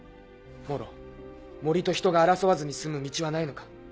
モロ森と人が争わずに済む道はないのか？